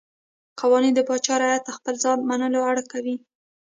قوانین د پاچا رعیت ته خپل ځای منلو اړ کوي.